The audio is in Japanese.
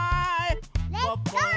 レッツゴー！